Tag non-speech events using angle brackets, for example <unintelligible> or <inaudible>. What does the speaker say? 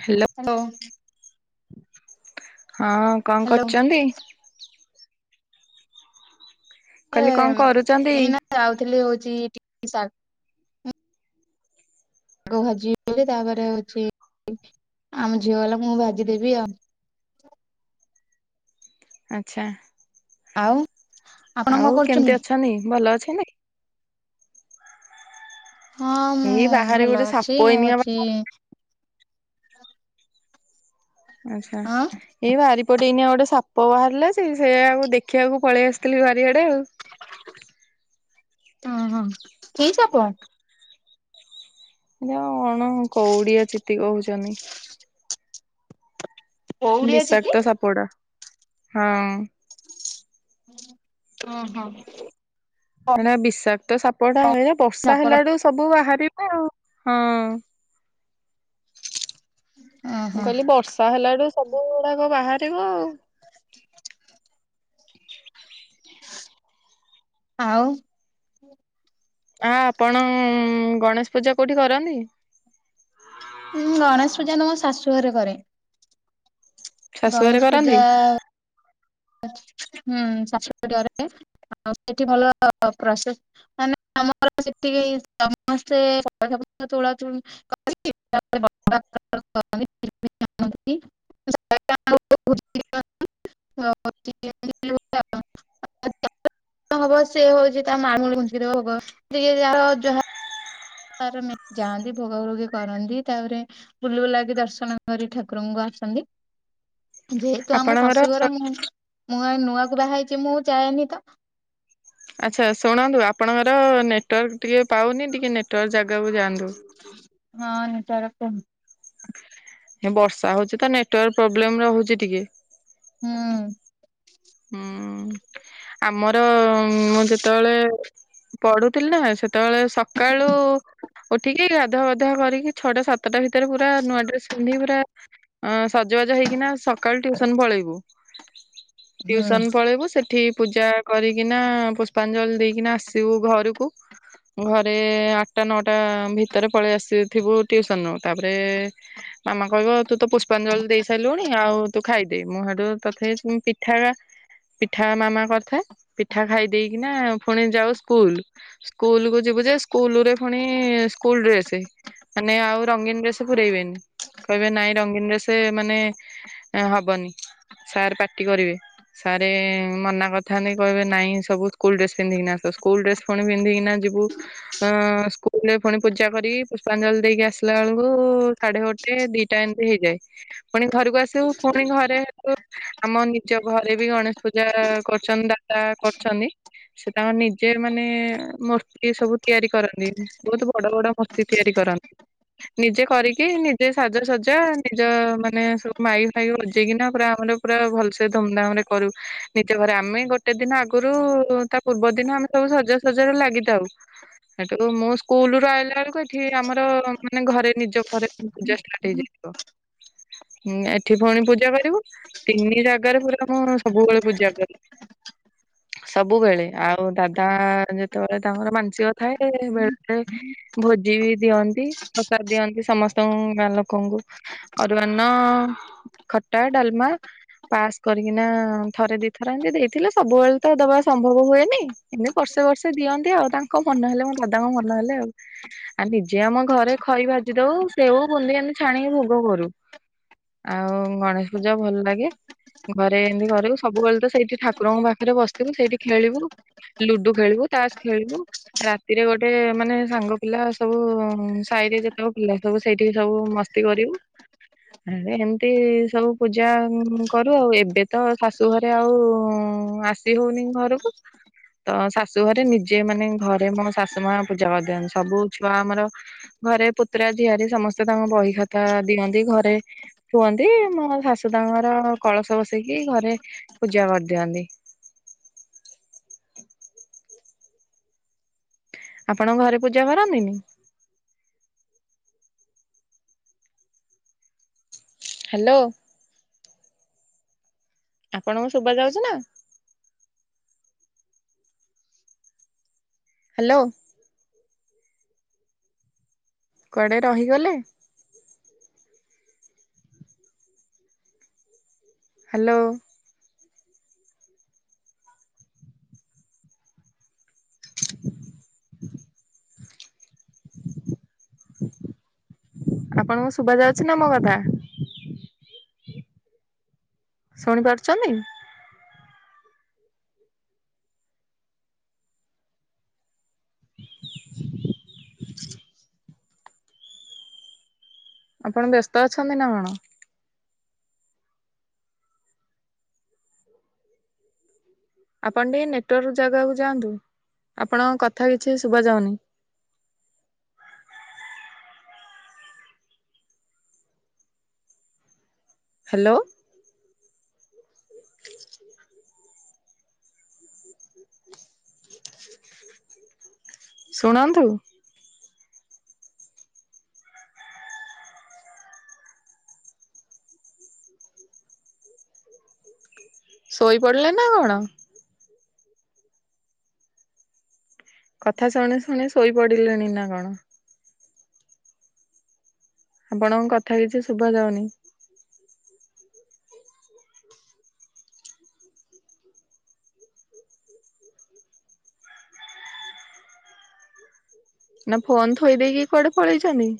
Hello ହଁ କଣ hello କରୁଛନ୍ତି? କହିଲି କଣ କରୁଛନ୍ତି? ଏଇନା ଯାଉଥିଲି ହଉଛି ଟିକେ ସା ଆଗ ଭାଜି ବୋଲି ତାପରେ ହଉଛି ଆମ ଝିଅ ବାଲା ମୁଁ ଭାଜିଦେବି ଆଉ। ଆଚ୍ଛା। ଆଉ ଆପଣ କଣ ଆଉ କରୁଛନ୍ତି? କେମତି ଅଛନ୍ତି ଭଲ ଅଛନି ହଁ ମୁଁ ଏଇ ବାହାରେ ଗୋଟେ ଭଲ ସାପ ଅଛି ଆଉ ଏଇନିକା ଅଛି। ବାହାରିଲା। ଆଚ୍ଛା। ହଁ ଏଇ ବାରିପଟେ ଏଇନିଆଉ ଗୋଟେ ସାପ ବାହାରିଲା ସେ ସେଆଉ ଦେଖିବାକୁ ପଳେଇ ଆସିଥିଲି ବାରିଆଡେ ଆଉ। ଓ ହଁ କି ସାପ? ଯଉ କଣ କଉଡିଆ ଚିତି କହୁଛନ୍ତି। କଉଡି ଅଛି କି? ବିଷାକ୍ତ ସାପଡା ହଁ। ହଁ ହଁ। ଏ ବିଷାକ୍ତ ସାପ ଟା ଏ ବର୍ଷା ସାପର ହେଲାଡୁ ସବୁ ବାହାରିବ ଆଉ ହଁ। ମୁଁ ଓହୋ କହିଲି ବର୍ଷା ହେଲାଡୁ ସବୁ ଗୁଡାକ ବାହାରିବ ଆଉ। ଆଉ ଆ ଆପଣ ଗଣେଶ ପୂଜା କଉଠି କରନ୍ତି? ଉୁଁ ଗଣେଶ ପୂଜା ତମ ଶାଶୁ ଘରେ କରେ। ଶାଶୁଘରେ ଗଣେଶ କରନ୍ତି? ପୂଜା ହୁଁ ଚାଷୀ କରିବାରେ ଆଉ ସେଠି ଭଲ ପ୍ରସେ <unintelligible> ମ ଆମର ସେତିକି ସମସ୍ତେଖା ପ ତୋଳା <unintelligible> <unintelligible> ଆ <inaudible> ହ <unintelligible> ହବ ସେ ହଉଛି ତା ମାମୁଳି ଘୁଞ୍ଚିଦବ ହବ ଟିକେ ଯାହା ତାର ଯାଆନ୍ତି ଭୋଗ ଭୋଗୀ କରନ୍ତି ତାପରେ ବୁଲ ବୁଲା କିି ଦର୍ଶନ କରି ଠାକୁରଙ୍କୁ ଆସନ୍ତି। ଯେହେତୁ ଆମ ଆପଣଙ୍କର ଶାଶୁଘର ମୁଁ ମୁଁ ନୂଆକୁ ବାହାହ ହେଇଛି ମୁଁ ଯାଏନି ତ। ଆଚ୍ଛା ଶୁଣନ୍ତୁ ଆପଣଙ୍କର ନେଟୱାର୍କ ଟିକେ ପାଉନି ଟିକେ ନେଟୱାର୍କ ଜାଗାକୁ ଯାଆନ୍ତୁ। ହଁ <unintelligible> ବର୍ଷା ହଉଛି ତ ନେଟୱାର୍କ ପ୍ରୋବ୍ଲେମ ରହୁଛି ଟିକେ। ହୁଁ। ହୁଁ। ଆମର ମୁଁ ଯେତେବେଳେ ପଢୁଥିଲି ନା ସେତେବେଳେ ସକାଳୁ ଉଠିକି ଗାଧୁଆ ପାଧୁଆ କରିକି ଛଅଟା, ସାତଟା ଭିତରେ ପୁରା ନୂଆ ଡ୍ରେସ ପିନ୍ଧିକି ପୁରା ଅ ସଜବାଜ ହେଇକିନା ସକାଳୁ ଟ୍ୟୁସନ ପଳେଇବୁ। ହୁଁ। ଟ୍ୟୁସନ ପଳେଇବୁ ସେ ଠି ପୂଜା କରିକିନା, ପୁଷ୍ପାଞ୍ଜଳି ଦେଇକିନା ଆସିବୁ ଘରକୁ। ଘରେ ଆଠଟା, ନଅଟା ଭିତରେ ପଳେଇ ଆସିଥିବୁ ଟ୍ୟୁସନ ରୁ ତାପରେ ମାମା କହିବ ତୁ ତ ପୁଷ୍ପାଞ୍ଜଳି ଦେଇ ସାରିଲୁଣି, ଆଉ ତୁ ଖାଇଦେ। ମୁଁ ସେଠୁ ତଥାପି ପି ପିଠା ପିଠା ମାମା କରିଥାଏ, ପିଠା ଖାଇ ଦେଇକିନା ପୁଣି ଯାଉ ସ୍କୁଲ। ସ୍କୁଲକୁ ଯିବୁ ଯେ, ସ୍କୁଲରେ ପୁଣି ସ୍କୁଲ ଡ୍ରେସ। ମାନେ ଆଉ ରଙ୍ଗୀନ ଡ୍ରେସ ପୁରେଇବେନି, କହିବେ ନାଇଁ ରଙ୍ଗୀନ ଡ୍ରେସ ମାନେ ହବନି ସାର୍ ପାଟି କରିବେ। ସାରେ ମନା କରିଥାନ୍ତି କହିବେ ନାଇଁ ସବୁ ସ୍କୁଲ ଡ୍ରେସ ପିନ୍ଧିକିନା ଆସ। ସ୍କୁଲ ଡ୍ରେସ ପୁଣି ପିନ୍ଧିକିନା ଯିବୁ। ଅ ସ୍କୁଲରେ ପୁଣି ପୂଜା କରିି, ପୁଷ୍ପାଞ୍ଜଳି ଦେଇକି ଆସିଲା ବେଳକୁ ସାଢେ ଗୋ ଟେ ଦିଟା ଏମିତି ହେଇଯାଏ। ପୁଣି ଘରକୁ ଆସିବୁ ପୁଣି ଘରେ ଆମ ନିଜ ଘରେ ବି ଗଣେଶ ପୂଜା କରିଛନ୍ତି ଦାଦା କରିଛନ୍ତି। ସେ ତାଙ୍କ ନିଜେ ମାନେ ମୂର୍ତ୍ତି ସବୁ ତିଆରି କରନ୍ତି। ବହୁତ ବଡ ବଡ ମୂର୍ତ୍ତି ତିଆରି କରନ୍ତି। ନିଜେ କରିକି, ନିଜେ ସାଜସଜା ନିଜ ମାନେ ସବୁ ମାଇକ୍ ଫାଇକ୍ ବଜେଇକିନା ପୁରା ଆମର ପୁରା ଭଲସେ ଧୁମଧାମରେ କରୁ ନିଜ ଘରେ। ଆମେ ଗୋଟେ ଦିନ ଆଗରୁ ତା ପୂର୍ବ ଦିନ ଆମେ ସବୁ ସଜାସଜାରେ ଲାଗିଥାଉ। ସେଠୁ ମୁଁ ସ୍କୁଲରୁ ଆଇଲା ବେଳକୁ, ଏଠି ଆମର ମାନେ ଘରେ ନିଜ ଘରେ ପୂଜା ଷ୍ଟାର୍ଟ ହେଇଯାଏ। ଏଠି ପୁଣି ପୂଜା କରିବୁ। ତିନି ଜାଗାରେ ପୁରା ମୁଁ ସବୁବେଳେ ପୂଜା କରେ। ସବୁବେଳେ, ଆଉ ଦାଦା ଯେତେବେଳେ ତାଙ୍କର ମାନସିକ ଥାଏ ବେଳେବେଳେ ଭୋଜି ବି ଦିଅନ୍ତି, ପ୍ରସାଦ ଦିଅନ୍ତି ସମସ୍ତଙ୍କ ଗାଁ ଲୋକଙ୍କୁ। ଅରୁଆ ଅନ୍ନ, ଖଟା, ଡାଲମା ପାସ୍ କରିକିନା ଥରେ, ଦିଥର ଏମିତି ଦେଇଥିଲେ ସବୁବେଳେ ତ ଦବା ସମ୍ଭବ ହୁଏନି। ଏମିତି ବର୍ଷେ ବର୍ଷେ ଦିଅନ୍ତି ଆଉ, ତାଙ୍କ ମନ ହେଲେ ମୋ ଦାଦାଙ୍କ ମନ ହେଲେ ଆଉ। ଆଉ ନିଜେ ଆମ ଘରେ ଖଇ ଭାଜି ଦଉ। ସେଉ, ବୁନ୍ଦୀ ଆମେ ଛାଣିକି ଭୋଗ କରୁ। ଆଉ ଗଣେଶ ପୂଜା ଭଲ ଲା ଗେ। ଘରେ ଏମିତି କରିବୁ, ସବୁବେଳେ ତ ସେଇଠି ଠାକୁରଙ୍କ ପାଖରେ ବସିଥିବୁ ସେଇଠି ଖେଳିବୁ। ଲୁଡୁ ଖେଳିବୁ, ତାସ ଖେଳିବୁ। ରାତିରେ ଗୋଟେ ମାନେ ସାଙ୍ଗପିଲା ସବୁ, ସାହିରେ ଯେତେକ ପିଲା ସବୁ ସେଇଠି ସବୁ ମସ୍ତି ସ୍ତି କରିବୁ। ଏମିତି ଏମତି ସବୁ ପୂଜା ହୁଁ କରୁ, ଆଉ ଏବେ ତ ଶାଶୁ ଘରେ ଆଉ ଆସି ହଉନି ଘରକୁ। ତ ଶାଶୁ ଘରେ ନିଜେ ମାନେ ଘରେ ମୋ ଶାଶୁମା ପୂଜା କରିଦିଅନ୍ତି। ସବୁ ଛୁଆ ଆମର ଘରେ ପୁତୁରା ଝିଆରିି ସମସ୍ତେ ତାଙ୍କ ବହି ଖାତା ଦିଅନ୍ତି। ଘରେ ରୁ, ମୋ ଶାଶୁ ତାଙ୍କର କଳସ ବସେଇକି ଘରେ ପୂଜା କରିଦିଅନ୍ତି। ଆପଣ ଘରେ ପୂଜା କରନ୍ତିନି? ହ୍ୟାଲୋ। ଆପଣଙ୍କୁ ଶୁଭା ଯାଉଛି ନା? ହ୍ୟାଲୋ। କୁଆଡ଼େ ରହିଗଲେ? ହ୍ୟାଲୋ <inaudible> ଆପଣଙ୍କୁ ଶୁଭା ଯାଉଛି ନା ମୋ କଥା ଶୁଣିପାରୁଛନ୍ତି ଆପଣ ବ୍ୟସ୍ତ ଅଛନ୍ତି ନା କଣ <inaudible> ଆପଣ ଟିକେ ନେଟୱାର୍କ ଜାଗାକୁ ଯାଆନ୍ତୁ ଆପଣଙ୍କ କଥା କିଛି ଶୁଭ ଯାଉନି ହ୍ୟାଲୋ ଶୁଣନ୍ତୁ ଶୋଇପଡ଼ିଲେ ନା କଣ କଥା ଶୁଣି ଶୁଣି ଶୋଇପଡିଲେଣି ନା କଣ ଆପଣଙ୍କ କଥା କିଛି ଶୁଭ ଯାଉନି ନା ଫୋନ୍ ଥୋଇ ଦେଇକି କୁଆଡେ଼ ପଳେଇଛନ୍ତି